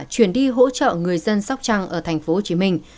chuyển đi hỗ trợ người dân sóc trăng ở thành phố hồ chí minh